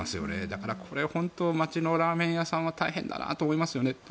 だからこれ本当街のラーメン屋さんは大変だなと思いますね。